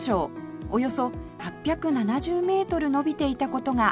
およそ８７０メートル延びていた事が駅名の由来です